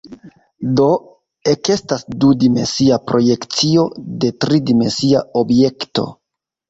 Do ekestas du-dimensia projekcio de tri-dimensia objekto.